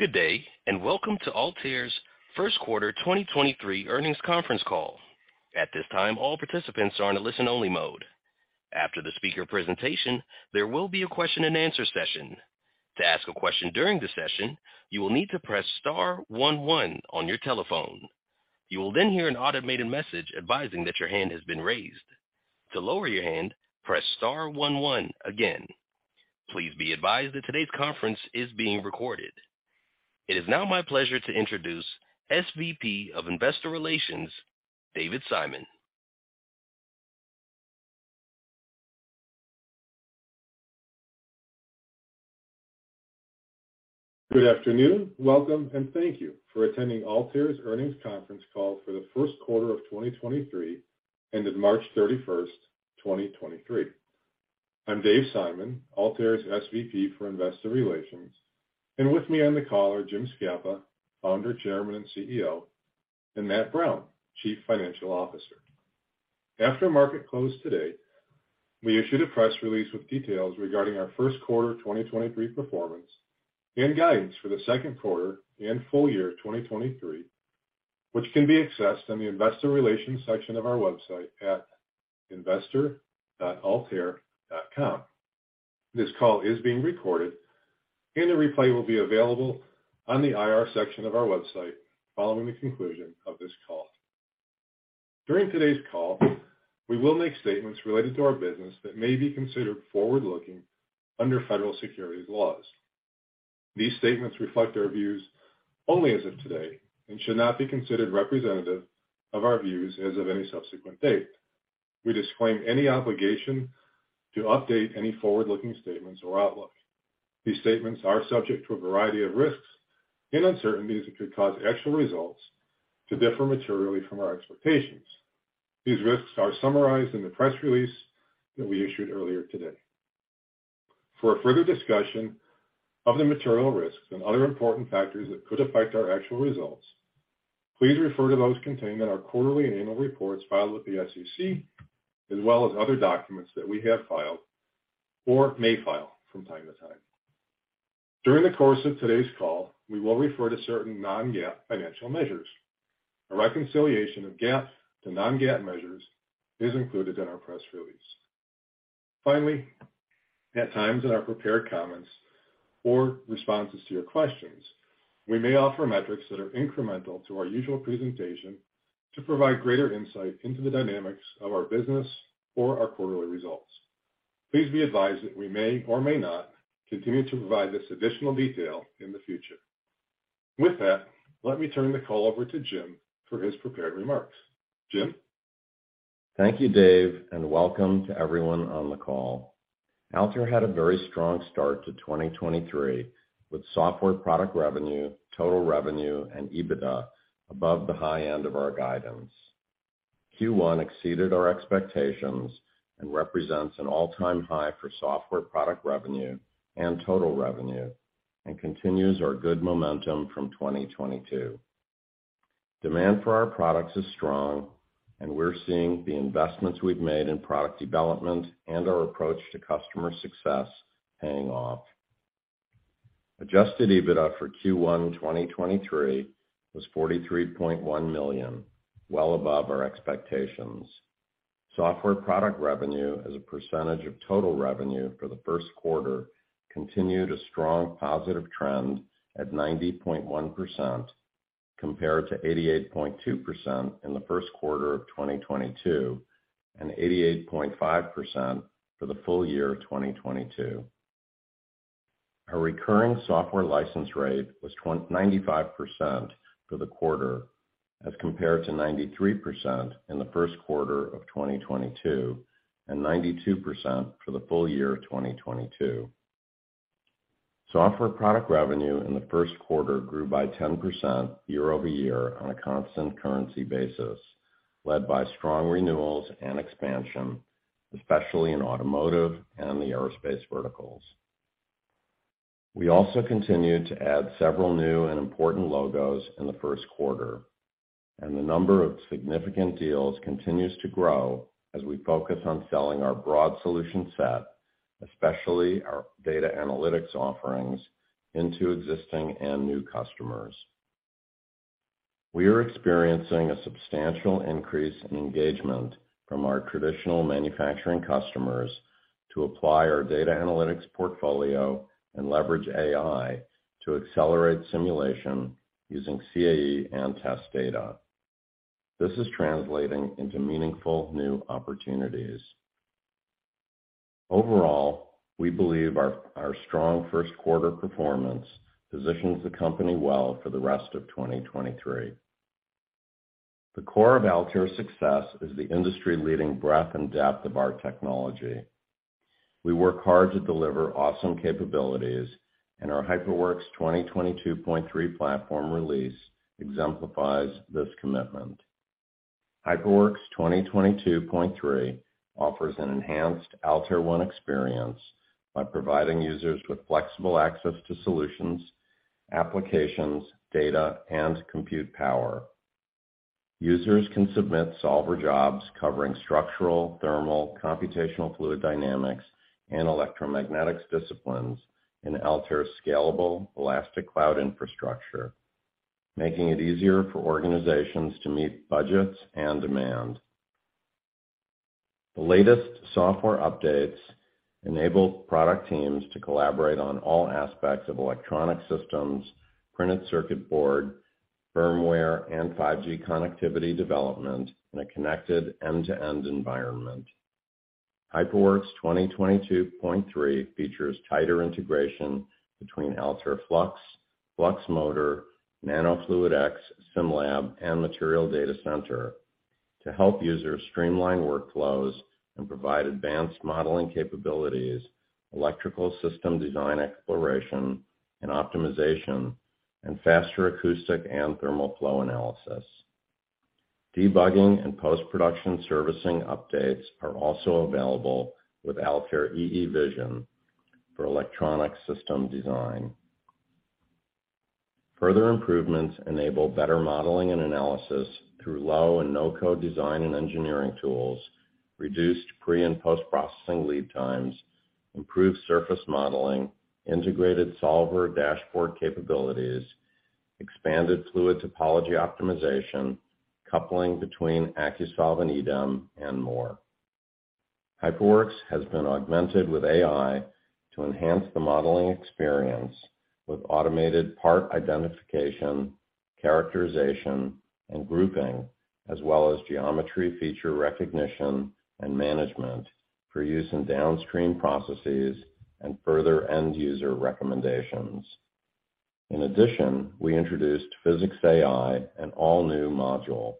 Good day, welcome to Altair's First Quarter 2023 Earnings Conference Call. At this time, all participants are in a listen-only mode. After the speaker presentation, there will be a question-and-answer session. To ask a question during the session, you will need to press star one one on your telephone. You will hear an automated message advising that your hand has been raised. To lower your hand, press star one one again. Please be advised that today's conference is being recorded. It is now my pleasure to introduce SVP of Investor Relations, David Simon. Good afternoon, welcome, and thank you for attending Altair's earnings conference call for the first quarter of 2023 ended March 31, 2023. I'm Dave Simon, Altair's SVP for Investor Relations, and with me on the call are Jim Scapa, founder, chairman, and CEO, and Matt Brown, Chief Financial Officer. After market close today, we issued a press release with details regarding our first quarter 2023 performance and guidance for the second quarter and full year 2023, which can be accessed on the Investor Relations section of our website at investor.altair.com. This call is being recorded and a replay will be available on the IR section of our website following the conclusion of this call. During today's call, we will make statements related to our business that may be considered forward-looking under federal securities laws. These statements reflect our views only as of today and should not be considered representative of our views as of any subsequent date. We disclaim any obligation to update any forward-looking statements or outlook. These statements are subject to a variety of risks and uncertainties that could cause actual results to differ materially from our expectations. These risks are summarized in the press release that we issued earlier today. For a further discussion of the material risks and other important factors that could affect our actual results, please refer to those contained in our quarterly and annual reports filed with the SEC, as well as other documents that we have filed or may file from time to time. During the course of today's call, we will refer to certain non-GAAP financial measures. A reconciliation of GAAP to non-GAAP measures is included in our press release. Finally, at times in our prepared comments or responses to your questions, we may offer metrics that are incremental to our usual presentation to provide greater insight into the dynamics of our business or our quarterly results. Please be advised that we may or may not continue to provide this additional detail in the future. With that, let me turn the call over to Jim for his prepared remarks. Jim? Thank you, Dave. Welcome to everyone on the call. Altair had a very strong start to 2023 with software product revenue, total revenue, and EBITDA above the high end of our guidance. Q1 exceeded our expectations and represents an all-time high for software product revenue and total revenue and continues our good momentum from 2022. Demand for our products is strong and we're seeing the investments we've made in product development and our approach to customer success paying off. Adjusted EBITDA for Q1 2023 was $43.1 million, well above our expectations. Software product revenue as a percentage of total revenue for the first quarter continued a strong positive trend at 90.1% compared to 88.2% in the first quarter of 2022 and 88.5% for the full year of 2022. Our recurring software license rate was 95% for the quarter as compared to 93% in the first quarter of 2022 and 92% for the full year of 2022. Software product revenue in the first quarter grew by 10% year-over-year on a constant currency basis, led by strong renewals and expansion, especially in automotive and the aerospace verticals. We also continued to add several new and important logos in the first quarter, and the number of significant deals continues to grow as we focus on selling our broad solution set, especially our data analytics offerings, into existing and new customers. We are experiencing a substantial increase in engagement from our traditional manufacturing customers to apply our data analytics portfolio and leverage AI to accelerate simulation using CAE and test data. This is translating into meaningful new opportunities. Overall, we believe our strong first quarter performance positions the company well for the rest of 2023. The core of Altair's success is the industry-leading breadth and depth of our technology. We work hard to deliver awesome capabilities, and our HyperWorks 2022.3 platform release exemplifies this commitment. HyperWorks 2022.3 offers an enhanced Altair One experience by providing users with flexible access to solutions, applications, data, and compute power. Users can submit solver jobs covering structural, thermal, computational fluid dynamics, and electromagnetics disciplines in Altair's scalable elastic cloud infrastructure, making it easier for organizations to meet budgets and demand. The latest software updates enable product teams to collaborate on all aspects of electronic systems, printed circuit board, firmware, and 5G connectivity development in a connected end-to-end environment. HyperWorks 2022.3 features tighter integration between Altair Flux, FluxMotor, nanoFluidX, SimLab, and Material Data Center to help users streamline workflows and provide advanced modeling capabilities, electrical system design exploration and optimization, and faster acoustic and thermal flow analysis. Debugging and post-production servicing updates are also available with Altair EEvision for electronic system design. Further improvements enable better modeling and analysis through low and no-code design and engineering tools, reduced pre- and post-processing lead times, improved surface modeling, integrated solver dashboard capabilities, expanded fluid topology optimization, coupling between AcuSolve and EDEM, and more. HyperWorks has been augmented with AI to enhance the modeling experience with automated part identification, characterization, and grouping, as well as geometry feature recognition and management for use in downstream processes and further end-user recommendations. In addition, we introduced PhysicsAI, an all-new module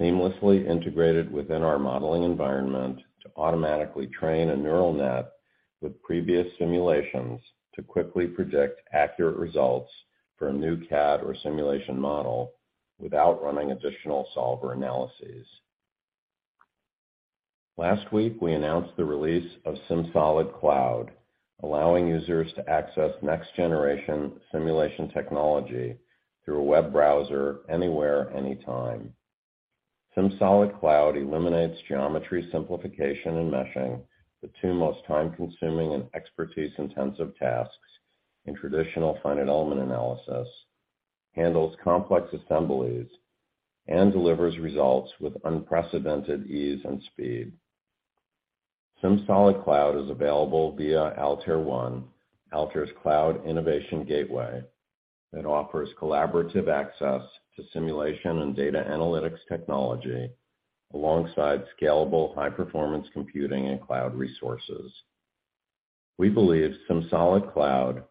seamlessly integrated within our modeling environment to automatically train a neural net with previous simulations to quickly predict accurate results for a new CAD or simulation model without running additional solver analyses. Last week, we announced the release of SimSolid Cloud, allowing users to access next-generation simulation technology through a web browser anywhere, anytime. SimSolid Cloud eliminates geometry simplification and meshing, the two most time-consuming and expertise-intensive tasks in traditional finite element analysis, handles complex assemblies, and delivers results with unprecedented ease and speed. SimSolid Cloud is available via Altair One, Altair's cloud innovation gateway that offers collaborative access to simulation and data analytics technology alongside scalable high-performance computing and cloud resources. We believe SimSolid Cloud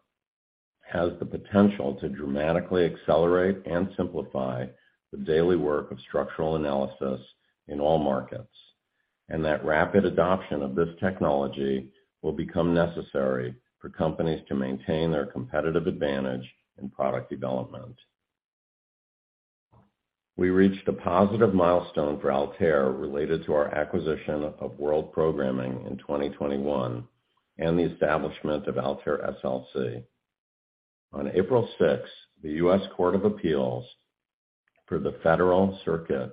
has the potential to dramatically accelerate and simplify the daily work of structural analysis in all markets, and that rapid adoption of this technology will become necessary for companies to maintain their competitive advantage in product development. We reached a positive milestone for Altair related to our acquisition of World Programming in 2021 and the establishment of Altair SLC. On April 6th, the U.S. Court of Appeals for the Federal Circuit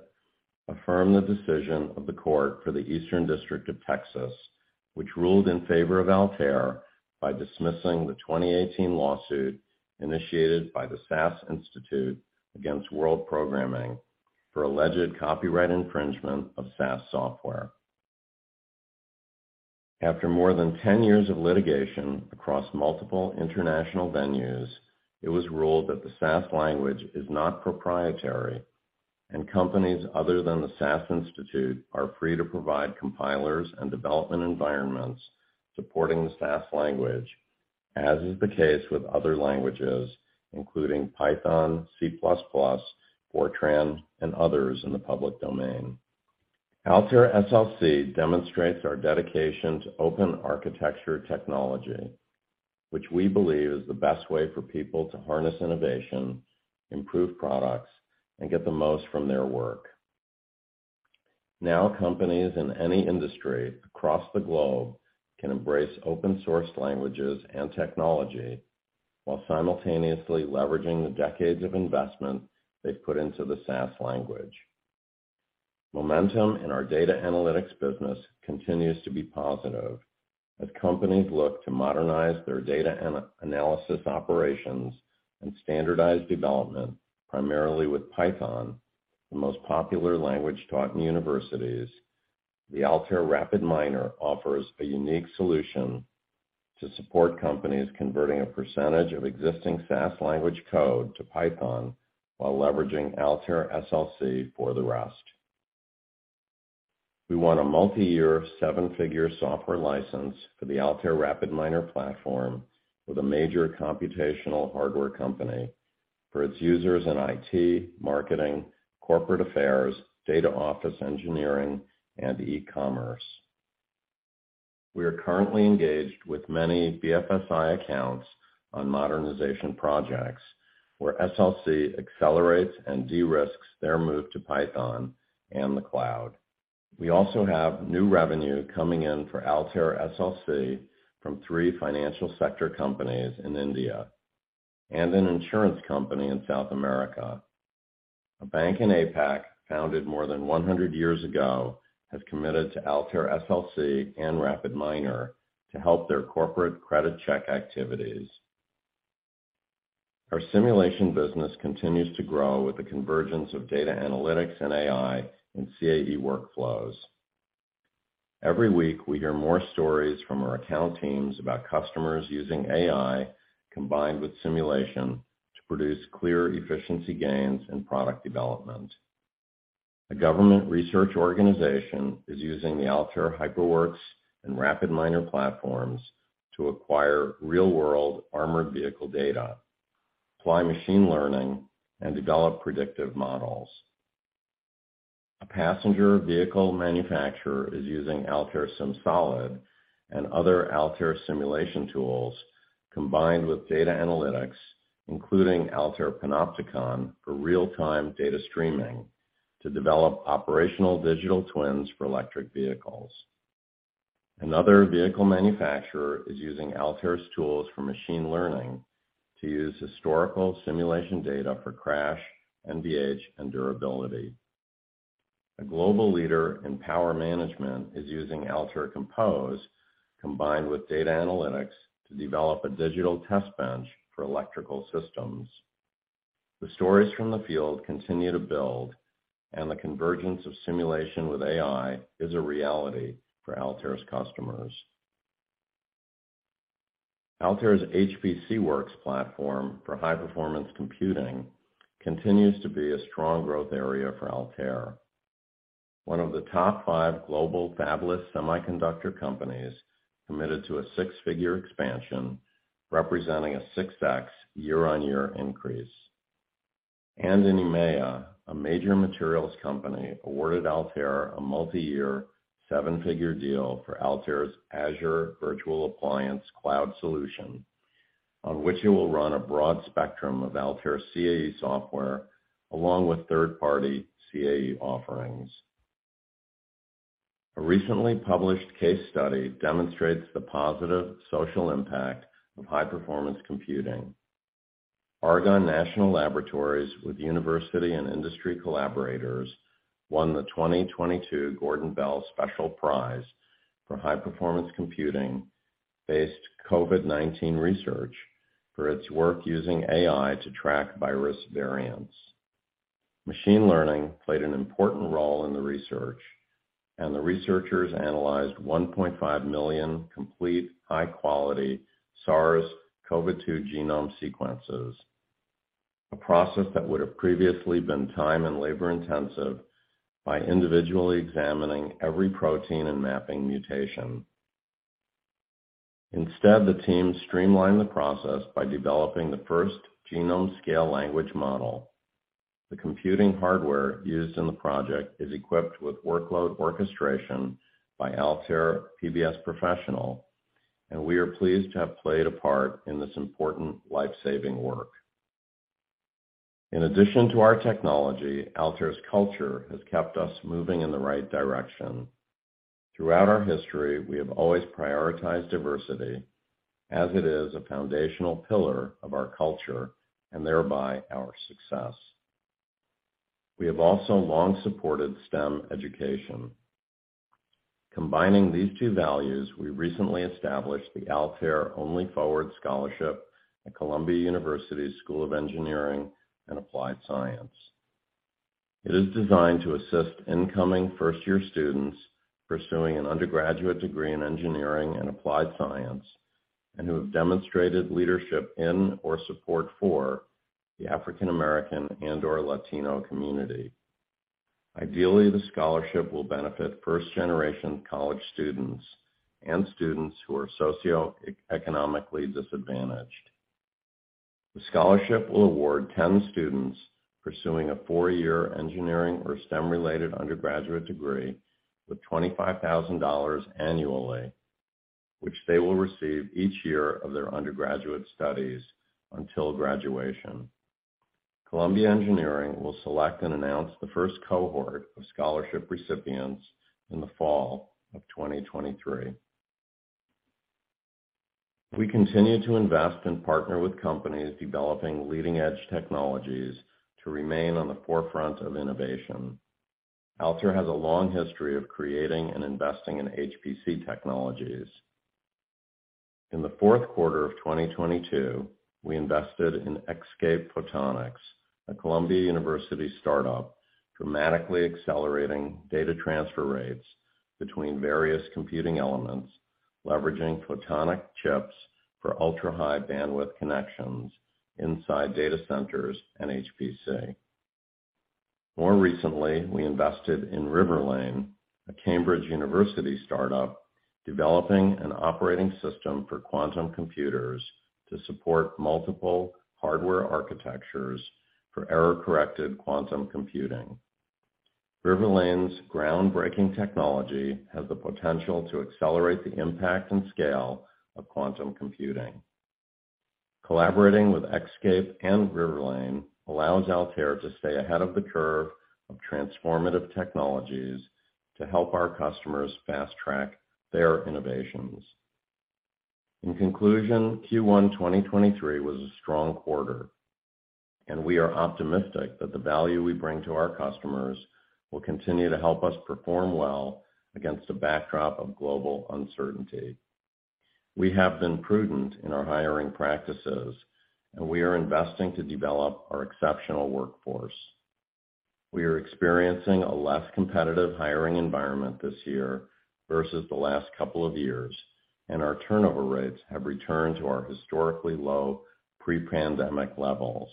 affirmed the decision of the Court for the Eastern District of Texas, which ruled in favor of Altair by dismissing the 2018 lawsuit initiated by the SAS Institute against World Programming for alleged copyright infringement of SAS software. After more than 10 years of litigation across multiple international venues, it was ruled that the SAS language is not proprietary and companies other than the SAS Institute are free to provide compilers and development environments supporting the SAS language, as is the case with other languages, including Python, C++, Fortran, and others in the public domain. Altair SLC demonstrates our dedication to open architecture technology, which we believe is the best way for people to harness innovation, improve products, and get the most from their work. Now companies in any industry across the globe can embrace open-source languages and technology while simultaneously leveraging the decades of investment they've put into the SAS language. Momentum in our data analytics business continues to be positive as companies look to modernize their data analysis operations and standardize development, primarily with Python, the most popular language taught in universities. The Altair RapidMiner offers a unique solution to support companies converting a percentage of existing SAS language code to Python while leveraging Altair SLC for the rest. We won a multi-year, $7-figure software license for the Altair RapidMiner platform with a major computational hardware company for its users in IT, marketing, corporate affairs, data office engineering, and e-commerce. We are currently engaged with many BFSI accounts on modernization projects where SLC accelerates and de-risks their move to Python and the cloud. We also have new revenue coming in for Altair SLC from three financial sector companies in India. An insurance company in South America. A bank in APAC, founded more than 100 years ago, has committed to Altair SLC and RapidMiner to help their corporate credit check activities. Our simulation business continues to grow with the convergence of data analytics and AI and CAE workflows. Every week, we hear more stories from our account teams about customers using AI combined with simulation to produce clear efficiency gains in product development. A government research organization is using the Altair HyperWorks and RapidMiner platforms to acquire real-world armored vehicle data, apply machine learning, and develop predictive models. A passenger vehicle manufacturer is using Altair SimSolid and other Altair simulation tools combined with data analytics, including Altair Panopticon for real-time data streaming to develop operational digital twins for electric vehicles. Another vehicle manufacturer is using Altair's tools for machine learning to use historical simulation data for crash, NVH, and durability. A global leader in power management is using Altair Compose combined with data analytics to develop a digital test bench for electrical systems. The stories from the field continue to build, and the convergence of simulation with AI is a reality for Altair's customers. Altair's HPCWorks platform for high-performance computing continues to be a strong growth area for Altair. One of the top five global fabless semiconductor companies committed to a $6-figure expansion, representing a 6x year-on-year increase. In EMEA, a major materials company awarded Altair a multiyear $7-figure deal for Altair's Azure Virtual Appliance cloud solution, on which it will run a broad spectrum of Altair CAE software along with third-party CAE offerings. A recently published case study demonstrates the positive social impact of high-performance computing. Argonne National Laboratory, with university and industry collaborators, won the 2022 Gordon Bell Special Prize for High Performance Computing-Based COVID-19 Research for its work using AI to track virus variants. Machine learning played an important role in the research. The researchers analyzed 1.5 million complete high-quality SARS-CoV-2 genome sequences, a process that would have previously been time and labor-intensive by individually examining every protein and mapping mutation. Instead, the team streamlined the process by developing the first genome-scale language model. The computing hardware used in the project is equipped with workload orchestration by Altair PBS Professional. We are pleased to have played a part in this important life-saving work. In addition to our technology, Altair's culture has kept us moving in the right direction. Throughout our history, we have always prioritized diversity as it is a foundational pillar of our culture and thereby our success. We have also long supported STEM education. Combining these two values, we recently established the Altair #OnlyForward Scholarship at Columbia University's School of Engineering and Applied Science. It is designed to assist incoming first-year students pursuing an undergraduate degree in engineering and applied science and who have demonstrated leadership in or support for the African American and/or Latino community. Ideally, the scholarship will benefit first-generation college students and students who are socioeconomically disadvantaged. The scholarship will award 10 students pursuing a four-year engineering or STEM-related undergraduate degree with $25,000 annually, which they will receive each year of their undergraduate studies until graduation. Columbia Engineering will select and announce the first cohort of scholarship recipients in the fall of 2023. We continue to invest and partner with companies developing leading-edge technologies to remain on the forefront of innovation. Altair has a long history of creating and investing in HPC technologies. In the fourth quarter of 2022, we invested in Xscape Photonics, a Columbia University startup dramatically accelerating data transfer rates between various computing elements, leveraging photonic chips for ultra-high bandwidth connections inside data centers and HPC. More recently, we invested in Riverlane, a Cambridge University startup developing an operating system for quantum computers to support multiple hardware architectures for error-corrected quantum computing. Riverlane's groundbreaking technology has the potential to accelerate the impact and scale of quantum computing. Collaborating with Xscape and Riverlane allows Altair to stay ahead of the curve of transformative technologies to help our customers fast-track their innovations. In conclusion, Q1 2023 was a strong quarter, and we are optimistic that the value we bring to our customers will continue to help us perform well against the backdrop of global uncertainty. We have been prudent in our hiring practices, and we are investing to develop our exceptional workforce? We are experiencing a less competitive hiring environment this year versus the last couple of years, and our turnover rates have returned to our historically low pre-pandemic levels.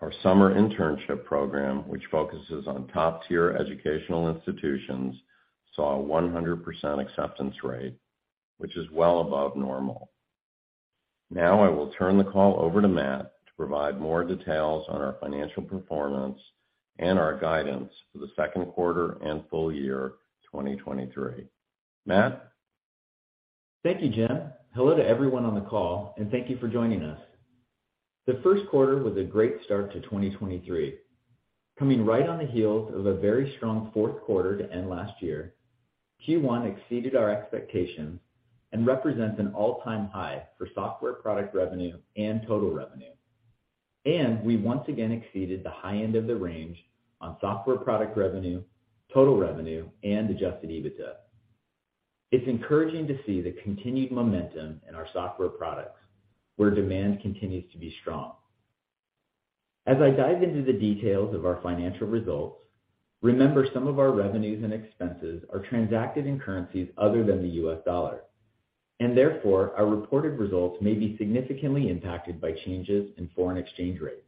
Our summer internship program, which focuses on top-tier educational institutions, saw a 100% acceptance rate, which is well above normal. Now I will turn the call over to Matt to provide more details on our financial performance and our guidance for the second quarter and full year 2023. Matt? Thank you, Jim. Hello to everyone on the call, thank you for joining us. The first quarter was a great start to 2023. Coming right on the heels of a very strong fourth quarter to end last year, Q1 exceeded our expectations and represents an all-time high for software product revenue and total revenue. We once again exceeded the high end of the range on software product revenue, total revenue, and adjusted EBITDA. It's encouraging to see the continued momentum in our software products, where demand continues to be strong. As I dive into the details of our financial results, remember some of our revenues and expenses are transacted in currencies other than the U.S. dollar, therefore, our reported results may be significantly impacted by changes in foreign exchange rates.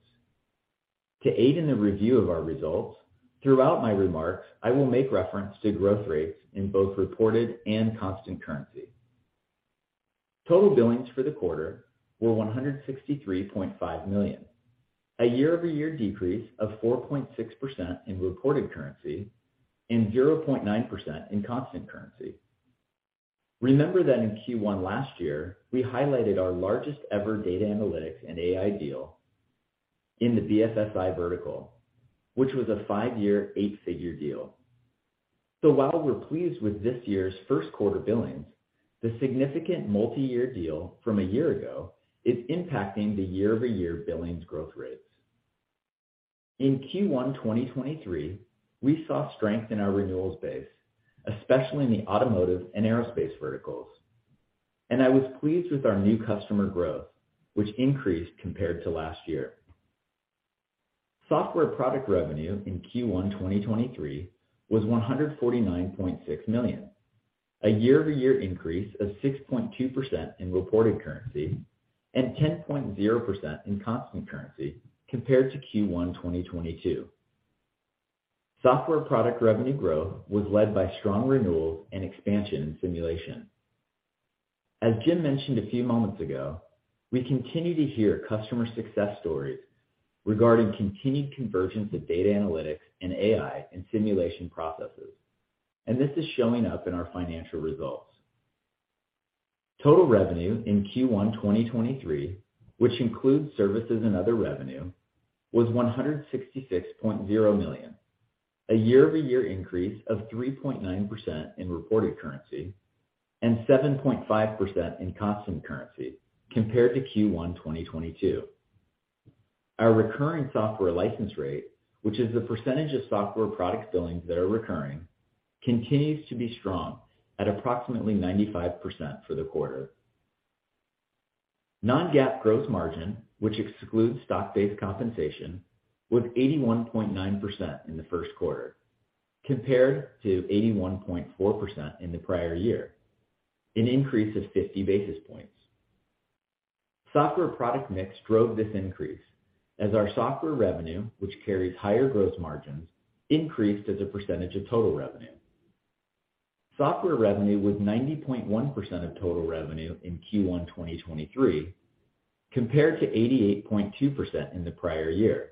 To aid in the review of our results, throughout my remarks, I will make reference to growth rates in both reported and constant currency. Total billings for the quarter were $163.5 million, a year-over-year decrease of 4.6% in reported currency and 0.9% in constant currency. Remember that in Q1 last year, we highlighted our largest-ever data analytics and AI deal in the BFSI vertical, which was a five-year, eight-figure deal. While we're pleased with this year's first quarter billings, the significant multiyear deal from a year ago is impacting the year-over-year billings growth rates. In Q1 2023, we saw strength in our renewals base, especially in the automotive and aerospace verticals. I was pleased with our new customer growth, which increased compared to last year. Software product revenue in Q1 2023 was $149.6 million, a year-over-year increase of 6.2% in reported currency and 10.0% in constant currency compared to Q1 2022. Software product revenue growth was led by strong renewals and expansion in simulation. As Jim mentioned a few moments ago, we continue to hear customer success stories regarding continued convergence of data analytics and AI in simulation processes, this is showing up in our financial results. Total revenue in Q1 2023, which includes services and other revenue, was $166.0 million, a year-over-year increase of 3.9% in reported currency and 7.5% in constant currency compared to Q1 2022. Our recurring software license rate, which is the percentage of software product billings that are recurring, continues to be strong at approximately 95% for the quarter. Non-GAAP gross margin, which excludes stock-based compensation, was 81.9% in the first quarter compared to 81.4% in the prior year, an increase of 50 basis points. Software product mix drove this increase as our software revenue, which carries higher gross margins, increased as a percentage of total revenue. Software revenue was 90.1% of total revenue in Q1 2023 compared to 88.2% in the prior year.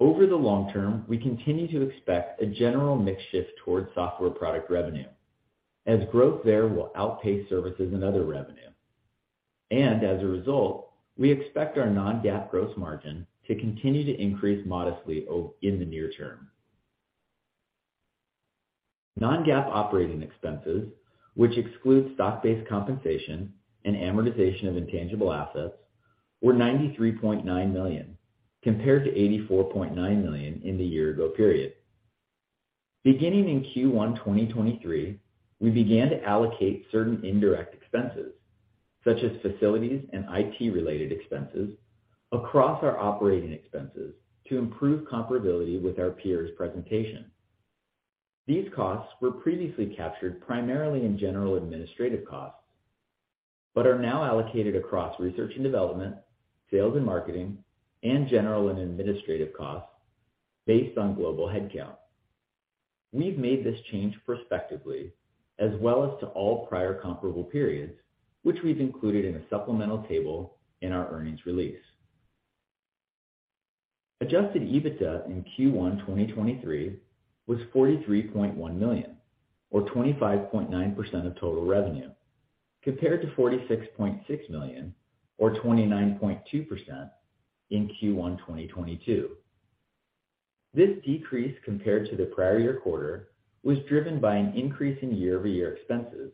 Over the long term, we continue to expect a general mix shift towards software product revenue as growth there will outpace services and other revenue. As a result, we expect our non-GAAP gross margin to continue to increase modestly in the near term. Non-GAAP operating expenses, which excludes stock-based compensation and amortization of intangible assets, were $93.9 million, compared to $84.9 million in the year-ago period. Beginning in Q1 2023, we began to allocate certain indirect expenses such as facilities and IT-related expenses across our operating expenses to improve comparability with our peers' presentation. These costs were previously captured primarily in general and administrative costs, but are now allocated across research and development, sales and marketing, and general and administrative costs based on global headcount. We've made this change prospectively as well as to all prior comparable periods, which we've included in a supplemental table in our earnings release. Adjusted EBITDA in Q1 2023 was $43.1 million or 25.9% of total revenue. Compared to $46.6 million or 29.2% in Q1 2022. This decrease compared to the prior year quarter was driven by an increase in year-over-year expenses,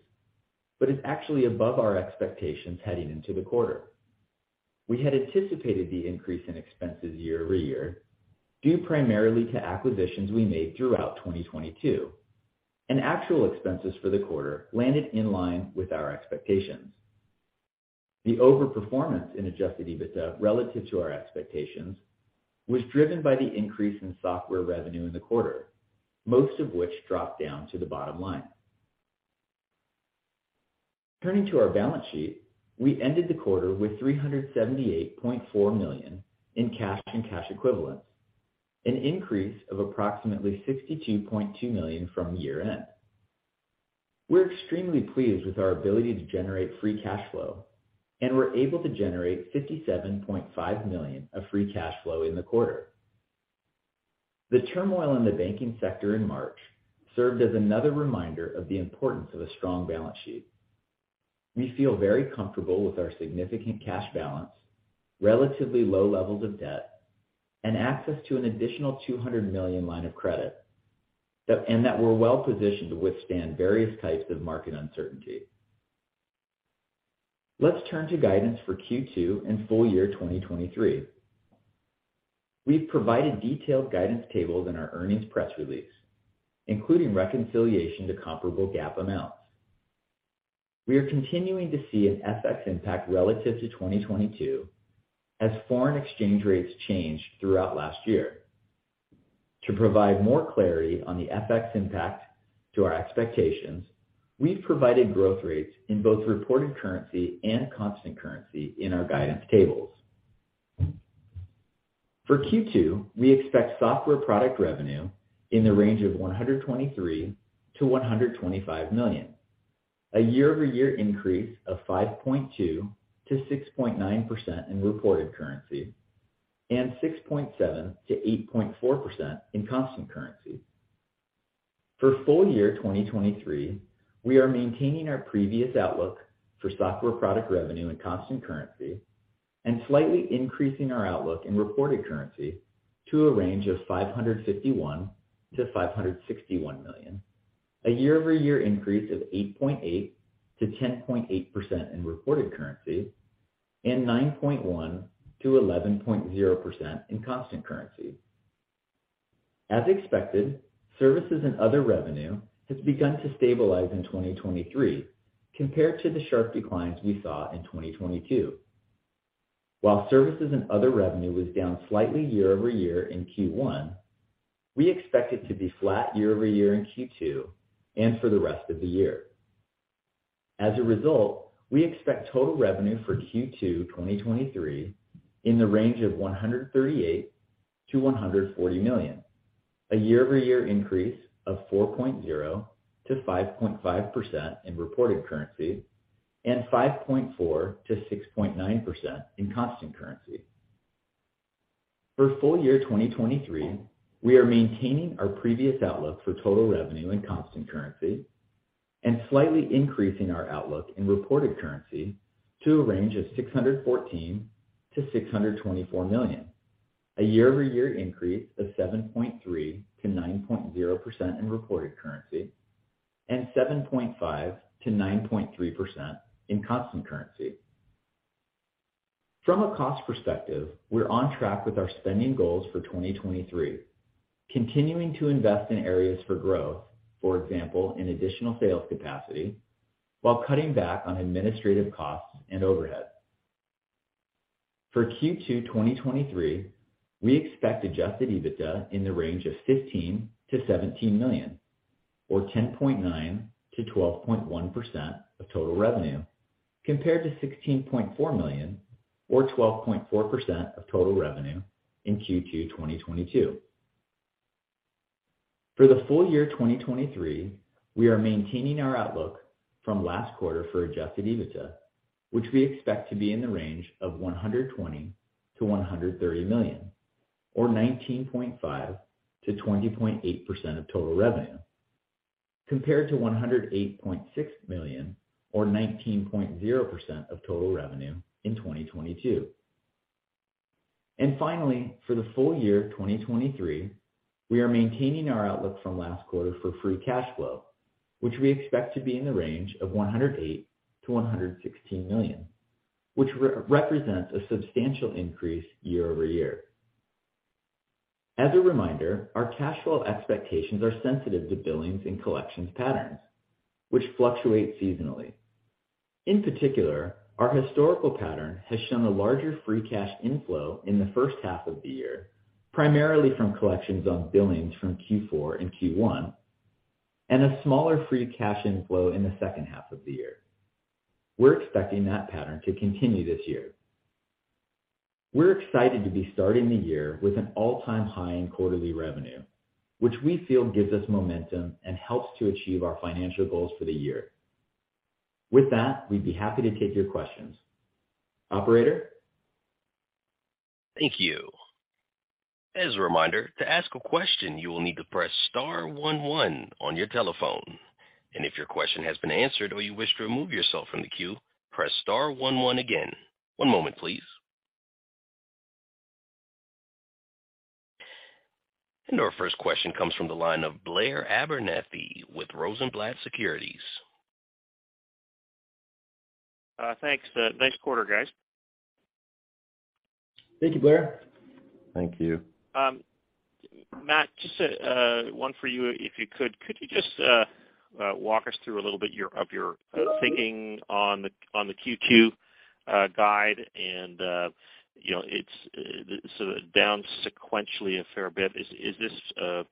but is actually above our expectations heading into the quarter. We had anticipated the increase in expenses year-over-year, due primarily to acquisitions we made throughout 2022, and actual expenses for the quarter landed in line with our expectations. The overperformance in adjusted EBITDA relative to our expectations was driven by the increase in software revenue in the quarter, most of which dropped down to the bottom line. Turning to our balance sheet, we ended the quarter with $378.4 million in cash and cash equivalents, an increase of approximately $62.2 million from year-end. We're extremely pleased with our ability to generate free cash flow, and were able to generate $57.5 million of free cash flow in the quarter. The turmoil in the banking sector in March served as another reminder of the importance of a strong balance sheet. We feel very comfortable with our significant cash balance, relatively low levels of debt, and access to an additional $200 million line of credit, and that we're well positioned to withstand various types of market uncertainty. Let's turn to guidance for Q2 and full year 2023. We've provided detailed guidance tables in our earnings press release, including reconciliation to comparable GAAP amounts. We are continuing to see an FX impact relative to 2022 as foreign exchange rates changed throughout last year. To provide more clarity on the FX impact to our expectations, we've provided growth rates in both reported currency and constant currency in our guidance tables. For Q2, we expect software product revenue in the range of $123 million-$125 million, a year-over-year increase of 5.2%-6.9% in reported currency, and 6.7%-8.4% in constant currency. For full year 2023, we are maintaining our previous outlook for software product revenue in constant currency and slightly increasing our outlook in reported currency to a range of $551 million-$561 million, a year-over-year increase of 8.8%-10.8% in reported currency, and 9.1%-11.0% in constant currency. As expected, services and other revenue has begun to stabilize in 2023 compared to the sharp declines we saw in 2022. While services and other revenue was down slightly year-over-year in Q1, we expect it to be flat year-over-year in Q2 and for the rest of the year. As a result, we expect total revenue for Q2 2023 in the range of $138 million-$140 million, a year-over-year increase of 4.0%-5.5% in reported currency, and 5.4%-6.9% in constant currency. For full year 2023, we are maintaining our previous outlook for total revenue in constant currency and slightly increasing our outlook in reported currency to a range of $614 million-$624 million, a year-over-year increase of 7.3%-9.0% in reported currency, and 7.5%-9.3% in constant currency. From a cost perspective, we're on track with our spending goals for 2023, continuing to invest in areas for growth, for example, in additional sales capacity, while cutting back on administrative costs and overhead. For Q2 2023, we expect adjusted EBITDA in the range of $15 million-$17 million or 10.9%-12.1% of total revenue, compared to $16.4 million or 12.4% of total revenue in Q2 2022. For the full year 2023, we are maintaining our outlook from last quarter for adjusted EBITDA, which we expect to be in the range of $120 million-$130 million or 19.5%-20.8% of total revenue, compared to $108.6 million or 19.0% of total revenue in 2022. Finally, for the full year of 2023, we are maintaining our outlook from last quarter for free cash flow, which we expect to be in the range of $108 million-$116 million, which re-represents a substantial increase year-over-year. As a reminder, our cash flow expectations are sensitive to billings and collections patterns, which fluctuate seasonally. In particular, our historical pattern has shown a larger free cash inflow in the first half of the year, primarily from collections on billings from Q4 and Q1, and a smaller free cash inflow in the second half of the year. We're expecting that pattern to continue this year. We're excited to be starting the year with an all-time high in quarterly revenue, which we feel gives us momentum and helps to achieve our financial goals for the year. With that, we'd be happy to take your questions. Operator. Thank you. As a reminder, to ask a question, you will need to press star one one on your telephone. If your question has been answered or you wish to remove yourself from the queue, press star one one again. One moment please. Our first question comes from the line of Blair Abernethy with Rosenblatt Securities. Thanks. Nice quarter, guys. Thank you, Blair. Thank you. Matt, just one for you, if you could. Could you just walk us through a little bit of your thinking on the Q2 guide and, you know, it's so down sequentially a fair bit? Is this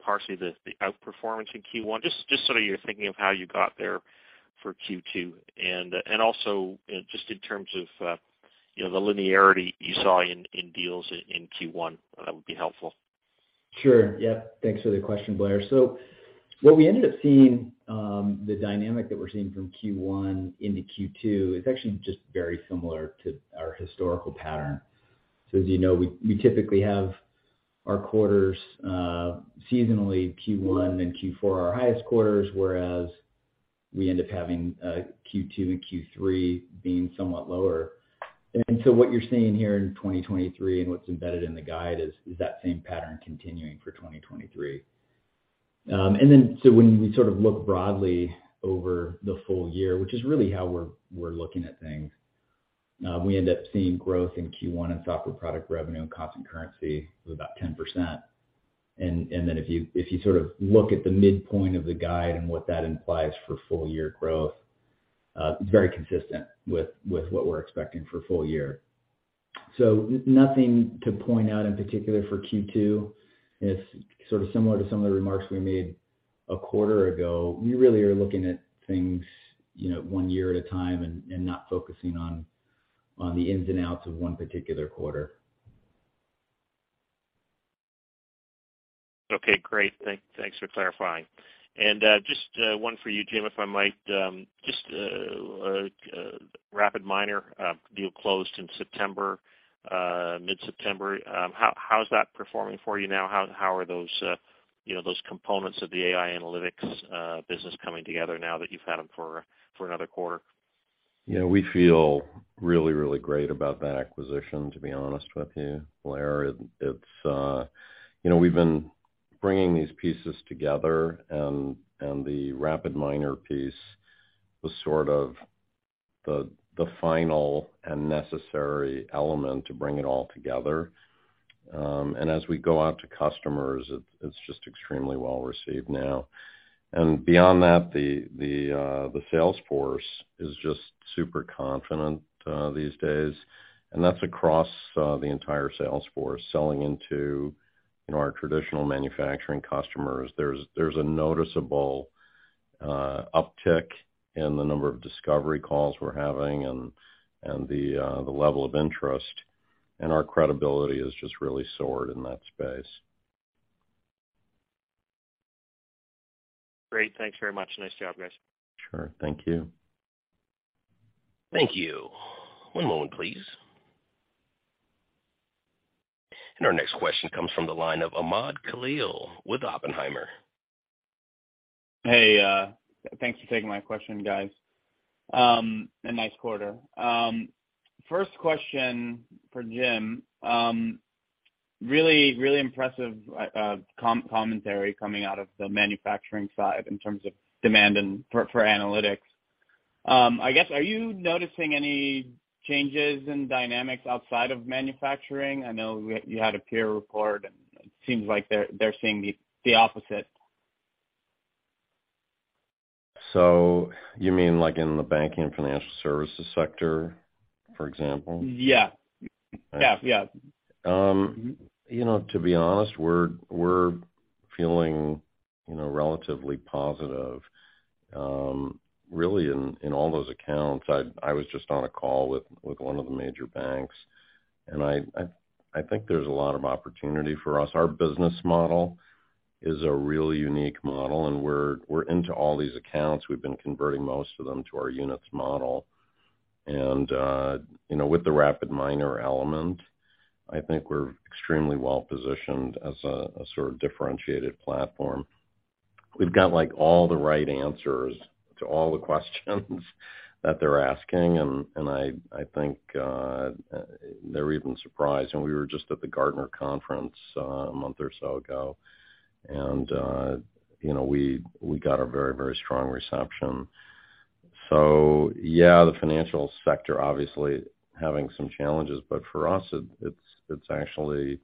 partially the outperformance in Q1? Just sort of your thinking of how you got there for Q2, and also just in terms of, you know, the linearity you saw in deals in Q1, that would be helpful. Sure. Yeah. Thanks for the question, Blair. What we ended up seeing, the dynamic that we're seeing from Q1 into Q2 is actually just very similar to our historical pattern. As you know, we typically have our quarters seasonally Q1 and Q4 are our highest quarters, whereas we end up having Q2 and Q3 being somewhat lower. What you're seeing here in 2023 and what's embedded in the guide is that same pattern continuing for 2023. When we sort of look broadly over the full year, which is really how we're looking at things, we end up seeing growth in Q1 in software product revenue and constant currency of about 10%. If you sort of look at the midpoint of the guide and what that implies for full year growth, it's very consistent with what we're expecting for full year. Nothing to point out in particular for Q2. It's sort of similar to some of the remarks we made a quarter ago. We really are looking at things, you know, one year at a time and not focusing on the ins and outs of one particular quarter. Okay, great. Thanks for clarifying. Just RapidMiner deal closed in September, mid-September. How is that performing for you now? How are those, you know, those components of the AI analytics business coming together now that you've had them for another quarter? Yeah, we feel really great about that acquisition, to be honest with you, Blair. It's, you know, we've been bringing these pieces together, and the RapidMiner piece was sort of the final and necessary element to bring it all together. As we go out to customers, it's just extremely well received now. Beyond that, the sales force is just super confident these days, and that's across the entire sales force selling into, you know, our traditional manufacturing customers. There's a noticeable uptick in the number of discovery calls we're having and the level of interest, and our credibility has just really soared in that space. Great. Thanks very much. Nice job, guys. Sure. Thank you. Thank you. One moment please. Our next question comes from the line of Ahmad Khalil with Oppenheimer. Hey, thanks for taking my question, guys. Nice quarter. First question for Jim. Really, really impressive commentary coming out of the manufacturing side in terms of demand and for analytics. I guess, are you noticing any changes in dynamics outside of manufacturing? I know you had a peer report, and it seems like they're seeing the opposite. You mean like in the banking and financial services sector, for example? Yeah. Yeah. Yeah. You know, to be honest, we're feeling, you know, relatively positive, really in all those accounts. I was just on a call with one of the major banks, I think there's a lot of opportunity for us. Our business model is a really unique model, we're into all these accounts. We've been converting most of them to our units model. You know, with the RapidMiner element, I think we're extremely well positioned as a sort of differentiated platform. We've got like all the right answers to all the questions that they're asking. I think they're even surprised. We were just at the Gartner conference a month or so ago, you know, we got a very strong reception. Yeah, the financial sector obviously having some challenges, but for us, it's actually,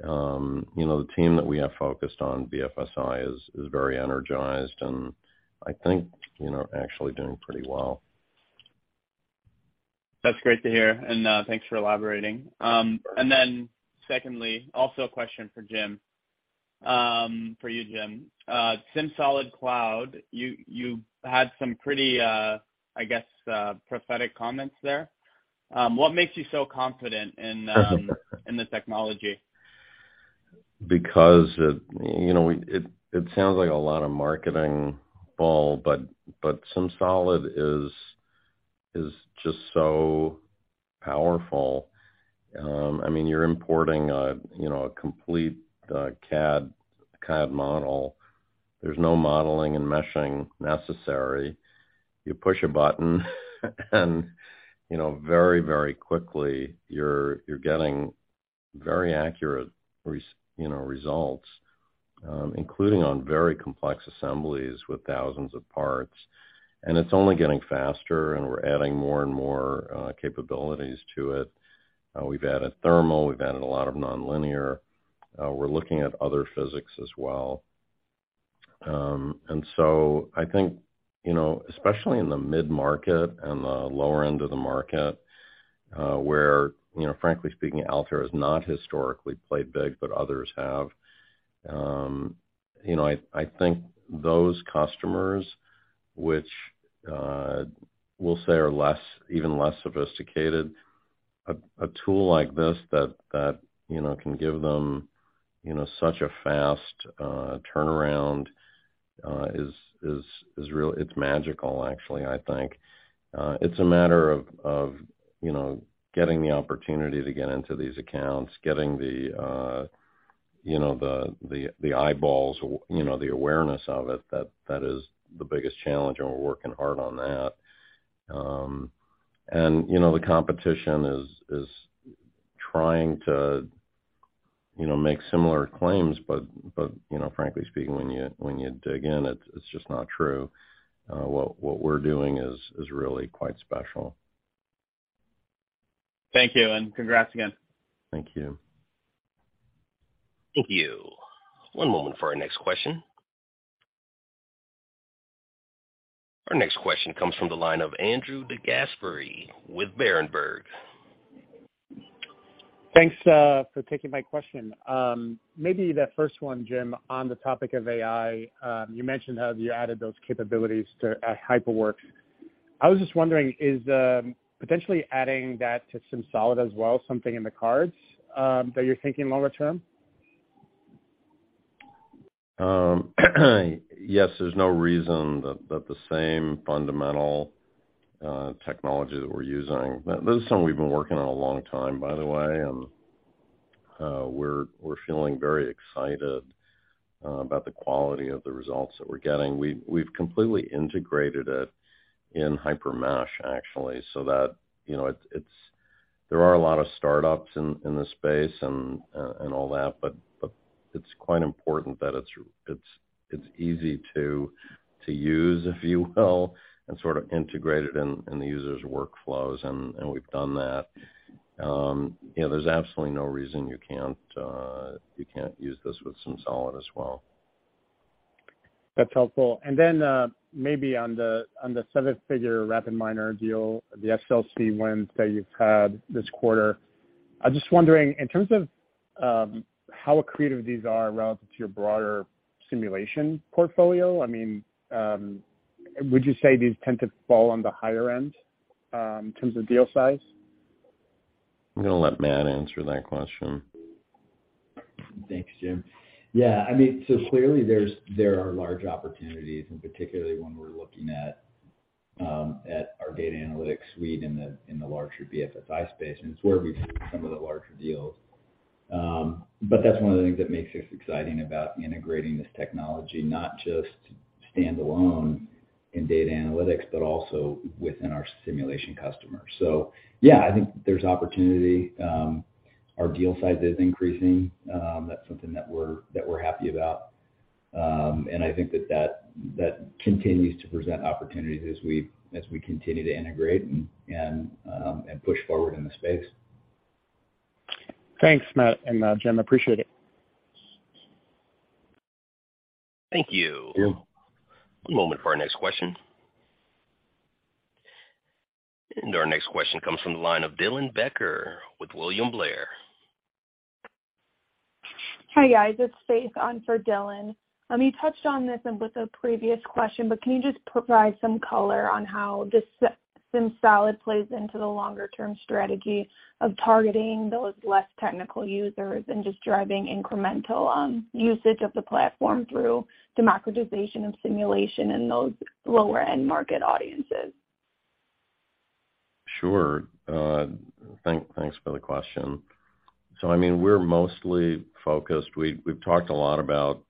you know, the team that we have focused on BFSI is very energized, and I think, you know, actually doing pretty well. That's great to hear. Thanks for elaborating. Secondly, also a question for Jim. For you, Jim. SimSolid Cloud, you had some pretty, I guess, prophetic comments there. What makes you so confident in the technology? it, you know, it sounds like a lot of marketing bull, but SimSolid is just so powerful. I mean, you're importing a, you know, a complete CAD model. There's no modeling and meshing necessary. You push a button and, you know, very quickly you're getting very accurate, you know, results, including on very complex assemblies with thousands of parts. it's only getting faster, and we're adding more and more capabilities to it. we've added thermal, we've added a lot of nonlinear. we're looking at other physics as well. I think, you know, especially in the mid-market and the lower end of the market, where, you know, frankly speaking, Altair has not historically played big, but others have. You know, I think those customers which, we'll say are less, even less sophisticated, a tool like this that, you know, can give them, you know, such a fast turnaround, is real. It's magical actually, I think. It's a matter of, you know, getting the opportunity to get into these accounts, getting the, you know, the eyeballs, you know, the awareness of it. That is the biggest challenge, and we're working hard on that. You know, the competition is trying to, you know, make similar claims, but, you know, frankly speaking, when you dig in, it's just not true. What we're doing is really quite special. Thank you. Congrats again. Thank you. Thank you. One moment for our next question. Our next question comes from the line of Andrew DeGasperi with Berenberg. Thanks for taking my question. Maybe the first one, Jim, on the topic of AI. You mentioned how you added those capabilities to HyperWorks. I was just wondering, is potentially adding that to Simsolid as well something in the cards that you're thinking longer term? Yes. There's no reason that the same fundamental technology that we're using. This is something we've been working on a long time, by the way, and we're feeling very excited about the quality of the results that we're getting. We've completely integrated it in HyperMesh, actually, so that, you know, it's. There are a lot of startups in this space and all that, but it's quite important that it's easy to use, if you will, and sort of integrated in the user's workflows, and we've done that. You know, there's absolutely no reason you can't, you can't use this with SimSolid as well. That's helpful. Then, maybe on the seven-figure RapidMiner deal, the SLC wins that you've had this quarter. I'm just wondering, in terms of how accretive these are relative to your broader simulation portfolio, I mean, would you say these tend to fall on the higher end, in terms of deal size? I'm gonna let Matt answer that question. Thanks, Jim. I mean, clearly there are large opportunities, and particularly when we're looking at our data analytics suite in the larger BFSI space, and it's where we've seen some of the larger deals. That's one of the things that makes this exciting about integrating this technology, not just standalone in data analytics, but also within our simulation customers. I think there's opportunity. Our deal size is increasing. That's something that we're happy about. I think that continues to present opportunities as we continue to integrate and push forward in the space. Thanks, Matt and Jim. Appreciate it. Thank you. Yeah. One moment for our next question. Our next question comes from the line of Dylan Becker with William Blair. Hi, guys. It's Faith on for Dylan. You touched on this in with a previous question, can you just provide some color on how the SimSolid plays into the longer term strategy of targeting those less technical users and just driving incremental usage of the platform through democratization of simulation in those lower-end market audiences? Sure. Thanks for the question. I mean, we're mostly focused. We've talked a lot about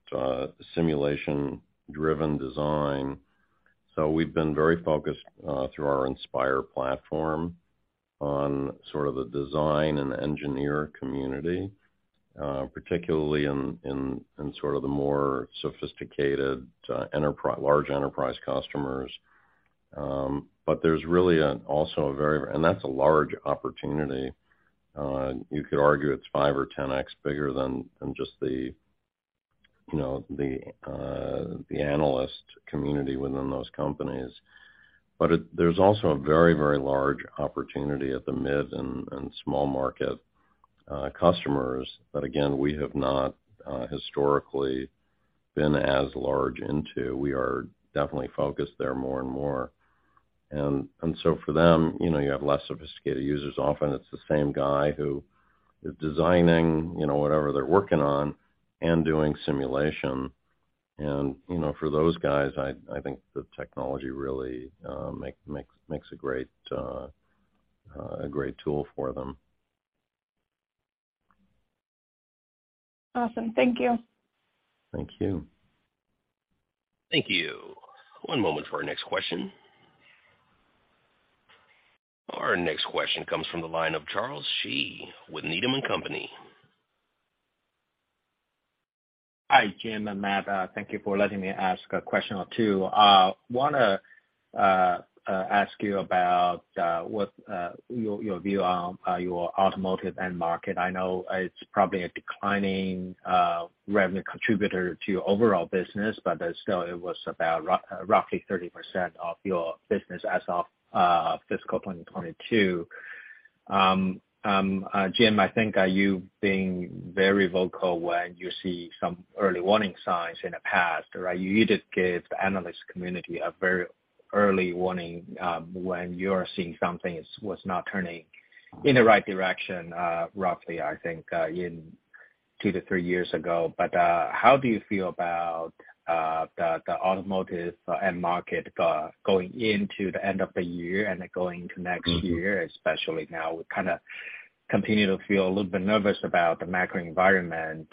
simulation-driven design. We've been very focused through our Inspire platform on sort of the design and engineer community, particularly in sort of the more sophisticated large enterprise customers. There's really an also a large opportunity. You could argue it's 5 or 10x bigger than just the, you know, the analyst community within those companies. There's also a very, very large opportunity at the mid and small market customers that again, we have not historically been as large into. We are definitely focused there more and more. For them, you know, you have less sophisticated users. Often it's the same guy who is designing, you know, whatever they're working on and doing simulation. you know, for those guys, I think the technology really makes a great tool for them. Awesome. Thank you. Thank you. Thank you. One moment for our next question. Our next question comes from the line of Charles Shi with Needham & Company. Hi, Jim and Matt. Thank you for letting me ask a question or two. wanna ask you about what your view on your automotive end market. I know it's probably a declining revenue contributor to your overall business, but still it was about roughly 30% of your business as of fiscal 2022. Jim, I think you being very vocal when you see some early warning signs in the past, right? You just gave the analyst community a very early warning when you're seeing something is, was not turning in the right direction, roughly I think in 2 to 3 years ago. How do you feel about the automotive end market going into the end of the year and then going to next year, especially now we kinda continue to feel a little bit nervous about the macro environment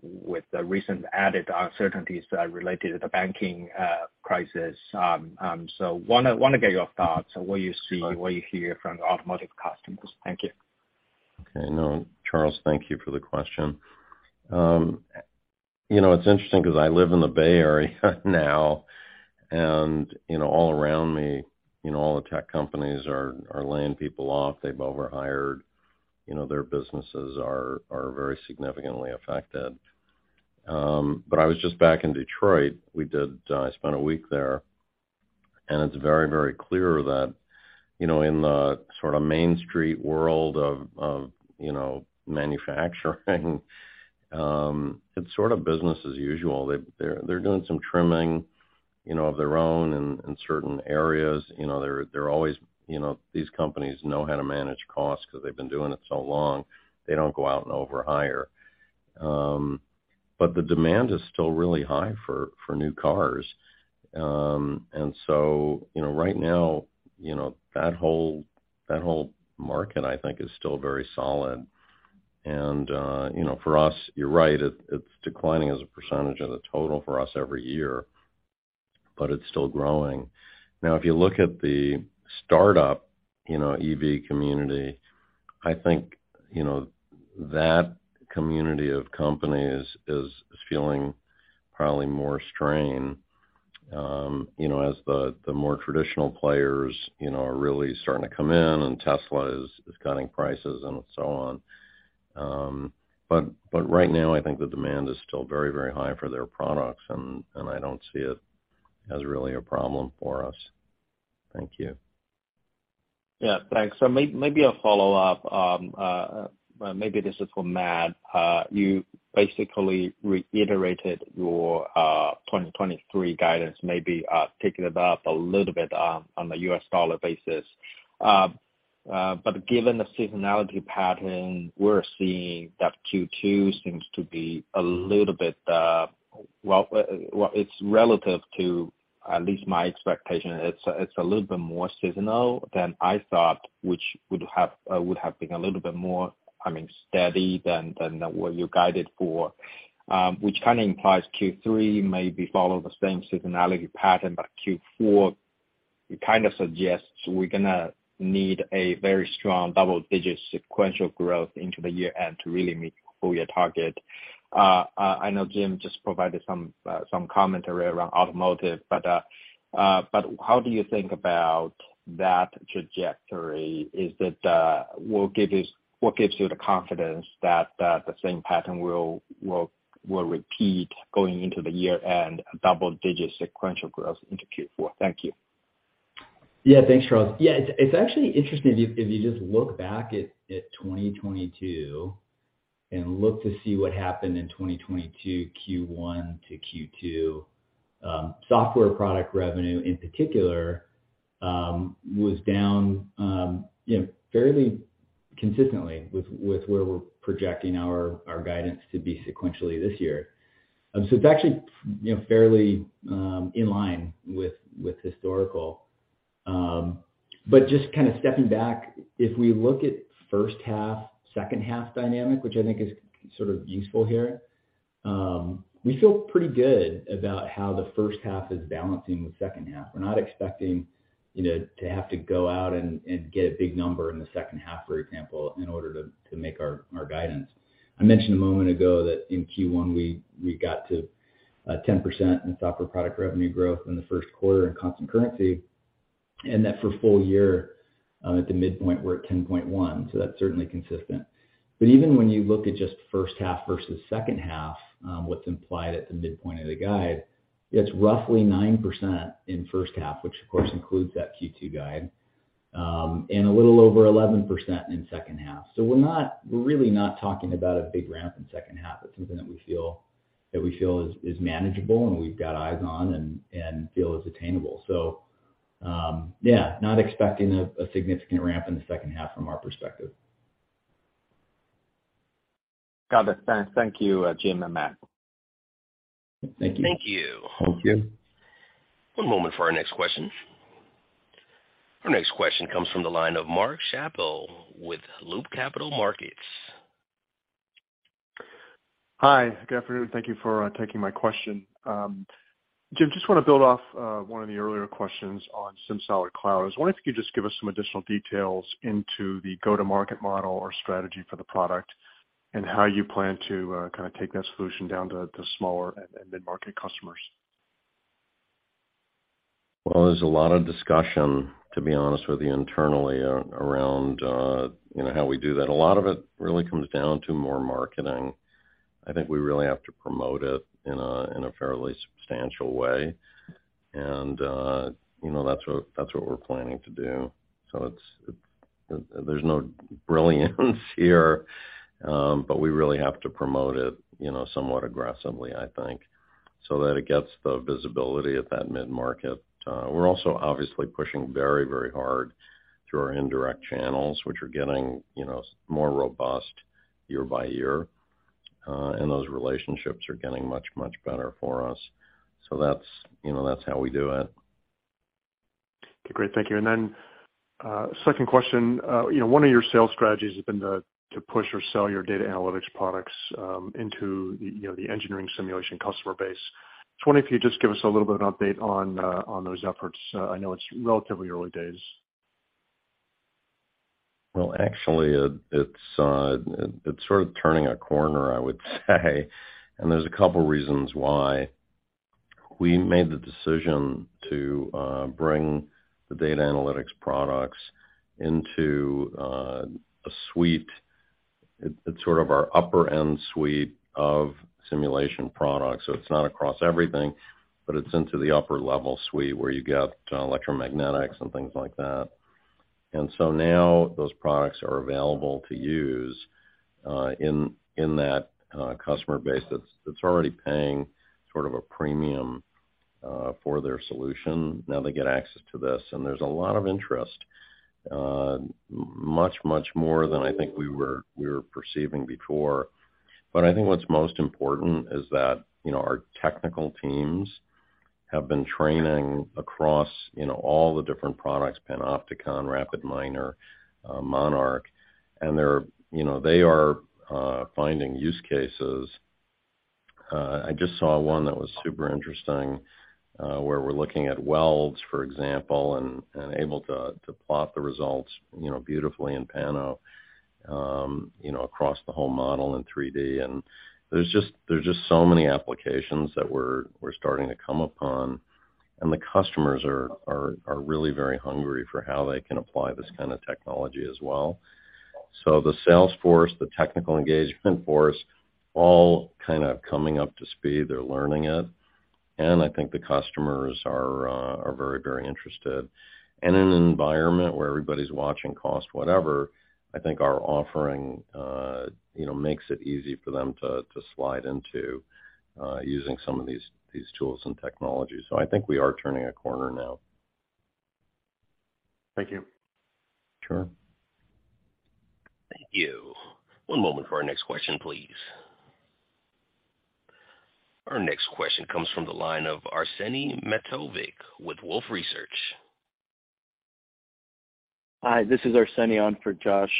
with the recent added uncertainties related to the banking crisis. Wanna get your thoughts on what you see, what you hear from automotive customers. Thank you. Okay. No, Charles, thank you for the question. You know, it's interesting 'cause I live in the Bay Area now, and you know, all around me, you know, all the tech companies are laying people off. They've overhired. You know, their businesses are very significantly affected. But I was just back in Detroit. We did, I spent a week there, and it's very, very clear that, you know, in the sorta Main Street world of, you know, manufacturing, it's sort of business as usual. They're doing some trimming, you know, of their own in certain areas. You know, they're always, you know, these companies know how to manage costs 'cause they've been doing it so long. They don't go out and overhire. But the demand is still really high for new cars. You know, right now, you know, that whole, that whole market I think is still very solid. You know, for us, you're right, it's declining as a percentage of the total for us every year, but it's still growing. If you look at the startup, you know, EV community, I think, you know, that community of companies is feeling probably more strain, you know, as the more traditional players, you know, are really starting to come in and Tesla is cutting prices and so on. Right now I think the demand is still very, very high for their products and I don't see it as really a problem for us. Thank you. Yeah. Thanks. Maybe a follow-up. maybe this is for Matt. You basically reiterated your 2023 guidance, maybe picking it up a little bit on a US dollar basis. Given the seasonality pattern, we're seeing that Q2 seems to be a little bit, well, it's relative to at least my expectation, it's a little bit more seasonal than I thought, which would have been a little bit more, I mean, steady than what you guided for. Which kinda implies Q3 maybe follow the same seasonality pattern, but Q4, it kinda suggests we're gonna need a very strong double-digit sequential growth into the year-end to really meet full year target. I know Jim just provided some commentary around automotive, but how do you think about that trajectory? What gives you the confidence that the same pattern will repeat going into the year-end double digit sequential growth into Q4? Thank you. Yeah. Thanks, Charles. Yeah, it's actually interesting if you, if you just look back at 2022 and look to see what happened in 2022 Q1 to Q2, software product revenue in particular, was down, you know, fairly consistently with where we're projecting our guidance to be sequentially this year. So it's actually, you know, fairly in line with historical. But just kinda stepping back, if we look at first half, second half dynamic, which I think is sort of useful here, we feel pretty good about how the first half is balancing with second half. We're not expecting, you know, to have to go out and get a big number in the second half, for example, in order to make our guidance. I mentioned a moment ago that in Q1, we got to 10% in software product revenue growth in the first quarter in constant currency, and that for full year, at the midpoint we're at 10.1%. That's certainly consistent. Even when you look at just first half versus second half, what's implied at the midpoint of the guide, it's roughly 9% in first half, which of course includes that Q2 guide. A little over 11% in second half. We're really not talking about a big ramp in second half. It's something that we feel is manageable and we've got eyes on and feel is attainable. Yeah, not expecting a significant ramp in the second half from our perspective. Got it. Thank you, Jim and Matt. Thank you. Thank you. Thank you. One moment for our next question. Our next question comes from the line of Mark Schappel with Loop Capital Markets. Hi. Good afternoon. Thank you for taking my question. Jim, just wanna build off, one of the earlier questions on SimSolid Cloud. I was wondering if you could just give us some additional details into the go-to-market model or strategy for the product and how you plan to, kind of take that solution down to smaller and mid-market customers. Well, there's a lot of discussion, to be honest with you, internally around, you know, how we do that. A lot of it really comes down to more marketing. I think we really have to promote it in a, in a fairly substantial way. You know, that's what we're planning to do. There's no brilliance here, but we really have to promote it, you know, somewhat aggressively, I think, so that it gets the visibility at that mid-market. We're also obviously pushing very, very hard through our indirect channels, which are getting, you know, more robust year by year. Those relationships are getting much, much better for us. That's, you know, that's how we do it. Okay, great. Thank you. Second question. You know, one of your sales strategies has been to push or sell your data analytics products into you know, the engineering simulation customer base. Just wondering if you could just give us a little bit of an update on those efforts. I know it's relatively early days. Well, actually it's sort of turning a corner, I would say. There's a couple reasons why. We made the decision to bring the data analytics products into a suite. It's sort of our upper-end suite of simulation products. It's not across everything, but it's into the upper-level suite where you get electromagnetics and things like that. Now those products are available to use in that customer base that's already paying sort of a premium for their solution. Now they get access to this. There's a lot of interest, much, much more than I think we were perceiving before. I think what's most important is that, you know, our technical teams have been training across, you know, all the different products, Panopticon, RapidMiner, Monarch. They're, you know, they are finding use cases. I just saw one that was super interesting, where we're looking at welds, for example, and able to plot the results, you know, beautifully in Panopticon, you know, across the whole model in 3D. There's just so many applications that we're starting to come upon, and the customers are really very hungry for how they can apply this kind of technology as well. The sales force, the technical engagement force, all kind of coming up to speed. They're learning it. I think the customers are very, very interested. In an environment where everybody's watching cost, whatever, I think our offering, you know, makes it easy for them to slide into using some of these tools and technologies. I think we are turning a corner now. Thank you. Sure. Thank you. One moment for our next question, please. Our next question comes from the line of Arsenije Matovic with Wolfe Research. Hi, this is Arsenije on for Josh.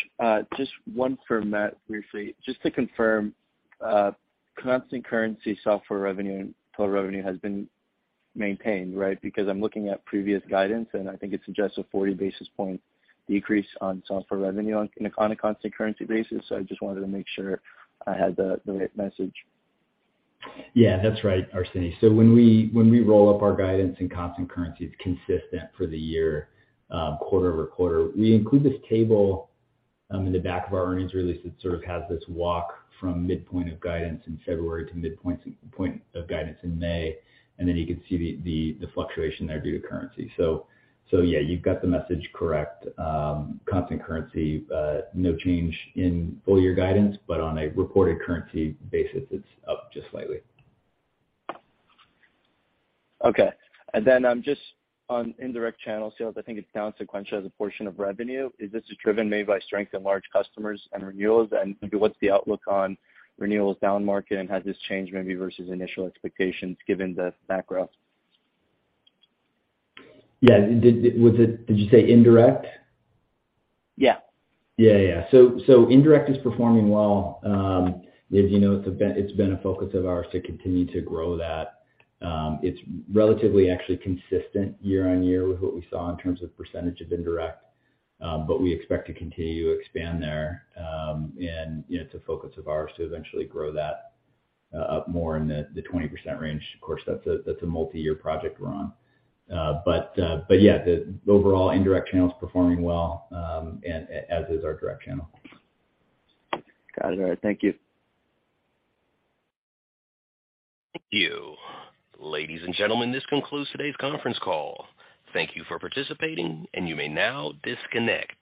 Just one for Matt briefly. Just to confirm, constant currency software revenue and total revenue has been maintained, right? I'm looking at previous guidance, and I think it suggests a 40 basis point decrease on software revenue on a constant currency basis. I just wanted to make sure I had the right message. Yeah, that's right, Arsenije. When we roll up our guidance in constant currency, it's consistent for the year, quarter-over-quarter. We include this table in the back of our earnings release that sort of has this walk from midpoint of guidance in February to midpoint point of guidance in May, you can see the fluctuation there due to currency. Yeah, you've got the message correct. Constant currency, no change in full year guidance, on a reported currency basis, it's up just slightly. Okay. Just on indirect channel sales, I think it's down sequentially as a portion of revenue. Is this driven maybe by strength in large customers and renewals? Maybe what's the outlook on renewals downmarket, and has this changed maybe versus initial expectations given the background? Yeah. Did you say indirect? Yeah. Yeah, yeah. Indirect is performing well. As you know, it's been a focus of ours to continue to grow that. It's relatively actually consistent year-on-year with what we saw in terms of percentage of indirect. We expect to continue to expand there, and, you know, it's a focus of ours to eventually grow that up more in the 20% range. Of course, that's a multiyear project we're on. Yeah, the overall indirect channel is performing well, as is our direct channel. Got it. All right. Thank you. Thank you. Ladies and gentlemen, this concludes today's conference call. Thank you for participating. You may now disconnect.